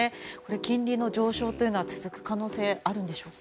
金利の上昇というのは続く可能性、あるんでしょうか？